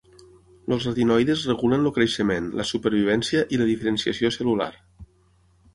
Els retinoides regulen el creixement, la supervivència i la diferenciació cel·lular.